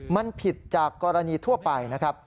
มันผิดจากกรณีทั่วไปนะครับ